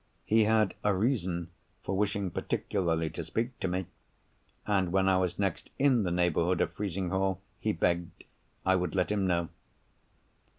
He had a reason for wishing particularly to speak to me; and when I was next in the neighbourhood of Frizinghall, he begged I would let him know.